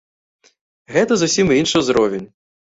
Гэта зусім іншы ўзровень.